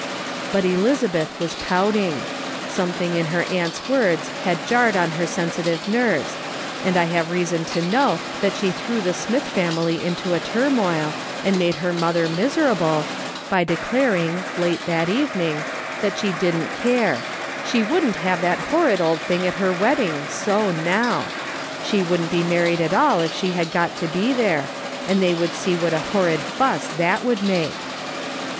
But Elizabeth was pouting. Something in her aunt's words had jarred on her sensitive nerves, and I have reason to know that she threw the Smith family into a turmoil, and made her mother miser able, by declaring, late that evening, that she didn't care ; she wouldn't have that horrid old thing at her wedding, so, now ; she wouldn't be married at all if she had got to be there, and they would see what a horrid fuss that would make.